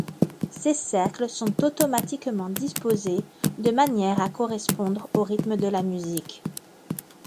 Ces cercles sont automatiquement disposés de manière à correspondre au rythme de la musique.